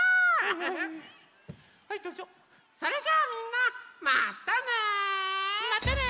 それじゃあみんなまたね！